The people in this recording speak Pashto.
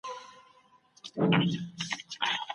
د ښوونې پروګرامونه باید معاصر وي.